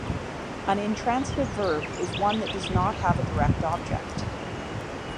An intransitive verb is one that does not have a direct object.